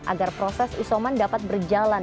agar proses isoman dapat berjalan